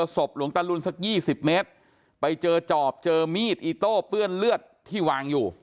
ศพหลวงตะลุนสัก๒๐เมตรไปเจอจอบเจอมีดอิโต้เปื้อนเลือดที่วางอยู่